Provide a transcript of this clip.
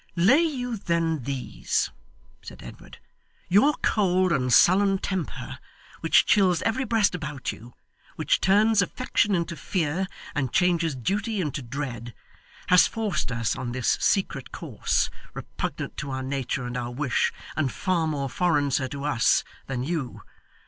'Lay you then, these,' said Edward. 'Your cold and sullen temper, which chills every breast about you, which turns affection into fear, and changes duty into dread, has forced us on this secret course, repugnant to our nature and our wish, and far more foreign, sir, to us than you.